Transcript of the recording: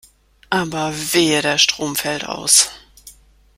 Aber wehe, der Strom fällt aus.